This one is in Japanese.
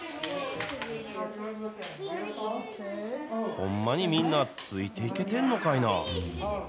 ほんまにみんなついていけてんのかいな。